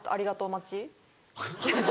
待ち。